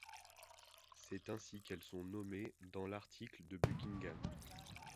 C'est ainsi qu'elles sont nommées dans l'article de Buckingham.